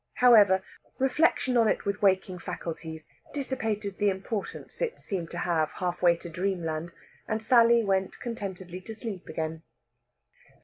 However, reflection on it with waking faculties dissipated the importance it seemed to have half way to dreamland, and Sally went contentedly to sleep again.